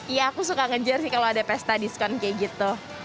iya aku suka ngejar sih kalau ada pesta diskon kayak gitu